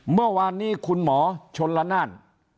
เมื่อวานนี้คุณหมอชนละนาน